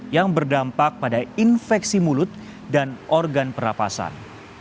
yang berdampak pada infeksi mulut dan organ pernapasan